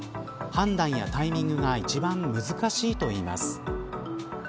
判断やタイミングが一番難しいといいます。